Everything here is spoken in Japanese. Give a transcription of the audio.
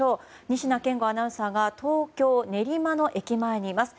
仁科健吾アナウンサーが東京・練馬の駅前にいます。